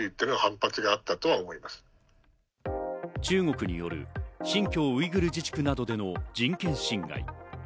中国による新疆ウイグル自治区などでの人権侵害。